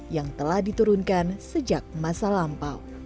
yang telah diturunkan sejak masa lampau